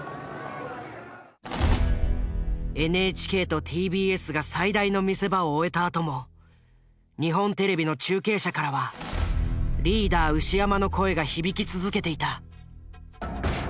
ＮＨＫとＴＢＳが最大の見せ場を終えたあとも日本テレビの中継車からはリーダー牛山の声が響き続けていた。